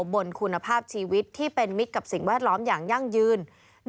บนคุณภาพชีวิตที่เป็นมิตรกับสิ่งแวดล้อมอย่างยั่งยืน